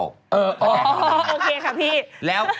โอเคค่ะพี่